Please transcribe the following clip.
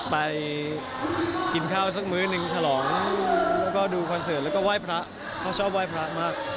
ไปกินข้าวสักมื้อหนึ่งฉลองแล้วก็ดูคอนเสิร์ตแล้วก็ไหว้พระเขาชอบไหว้พระมาก